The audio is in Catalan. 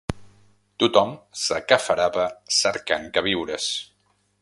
Tothom s'aqueferava cercant queviures